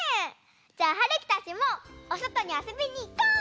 じゃあはるきたちもおそとにあそびにいこう！